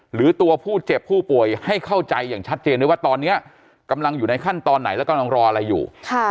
หรือตัวผู้เจ็บผู้ป่วยให้เข้าใจอย่างชัดเจนด้วยว่าตอนนี้กำลังอยู่ในขั้นตอนไหนและกำลังรออะไรอยู่